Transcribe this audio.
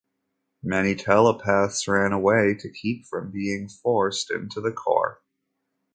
Many telepaths ran away to keep from being forced into the Corps.